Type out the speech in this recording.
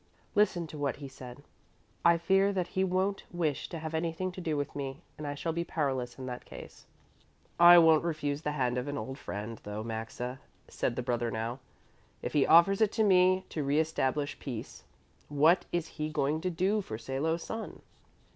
Listen to what he said 'I fear that he won't wish to have anything to do with me, and I shall be powerless in that case.'" "I won't refuse the hand of an old friend, though, Maxa," said the brother now, "if he offers it to me to reestablish peace. What is he going to do for Salo's son?"